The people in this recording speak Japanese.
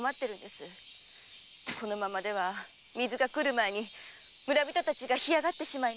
このままでは水が来る前に村人たちが干上がってしまう。